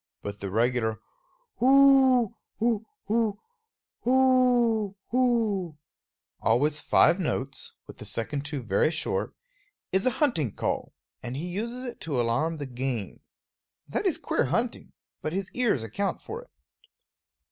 But the regular whooo hoo hoo, whooo hoo, always five notes, with the second two very short, is a hunting call, and he uses it to alarm the game. That is queer hunting; but his ears account for it.